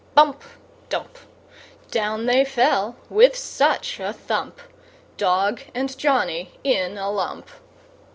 Bump! Dump! Down they fell, with such a thump, Dog and Johnny in a lump!